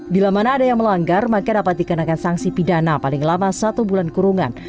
bila mana ada yang melanggar maka dapat dikenakan sanksi pidana paling lama satu bulan kurungan